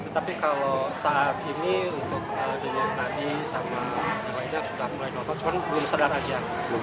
tapi kalau saat ini untuk dunia tadi sama lainnya sudah mulai nolot cuman belum sadar aja